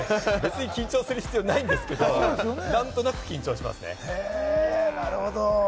緊張する必要はないですけど、何となく緊張しますよね。